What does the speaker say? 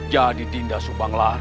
jadi dinda subang lara